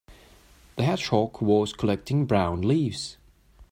A hedgehog was collecting brown leaves.